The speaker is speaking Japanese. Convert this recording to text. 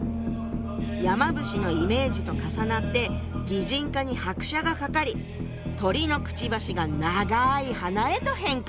山伏のイメージと重なって擬人化に拍車がかかり鳥のクチバシが長い鼻へと変化！